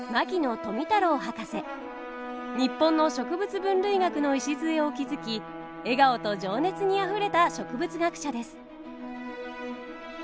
日本の植物分類学の礎を築き笑顔と情熱にあふれた植物学者です。